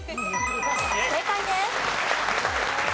正解です。